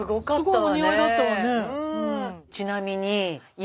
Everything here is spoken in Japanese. すごいお似合いだったわね。